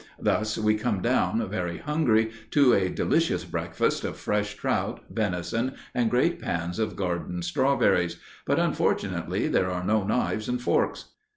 Thus we come down, very hungry, to a delicious breakfast of fresh trout, venison, and great pans of garden strawberries; but, unfortunately, there are no knives and forks.